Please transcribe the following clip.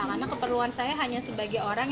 karena keperluan saya hanya sebagai orang